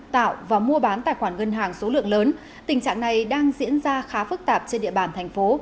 tạo và mua bán tài khoản ngân hàng số lượng lớn tình trạng này đang diễn ra khá phức tạp trên địa bàn thành phố